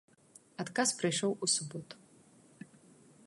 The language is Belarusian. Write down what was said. Адказ прыйшоў у суботу.